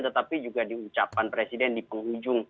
tetapi juga di ucapan presiden di penghujung